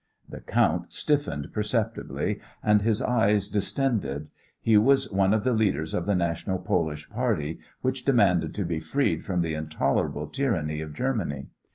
The count stiffened perceptibly, and his eyes distended. He was one of the leaders of the National Polish party which demanded to be freed from the intolerable tyranny of Germany.